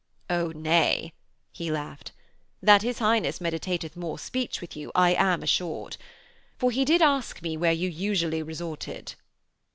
'Oh, nay,' he laughed. 'That his Highness meditateth more speech with you I am assured. For he did ask me where you usually resorted.'